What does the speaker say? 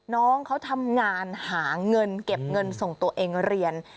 น้องเขาทำงานหาเงินเก็บเงินส่งตัวเองเรียน